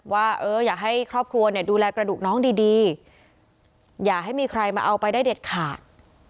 ว่าเอออยากให้ครอบครัวเนี่ยดูแลกระดูกน้องดีอย่าให้มีใครมาเอาไปได้เด็ดขาด